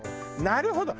なるほど。